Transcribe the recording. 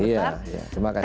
iya terima kasih